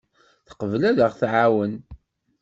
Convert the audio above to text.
Teqbel ad aɣ-tɛawen.